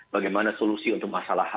bagaimana solusi untuk masalah